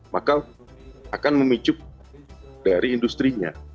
maka akan memicu dari industri nya